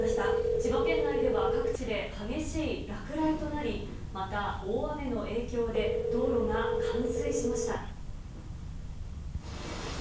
千葉県内では各地で激しい落雷となり、また大雨の影響で、道路が冠水しました。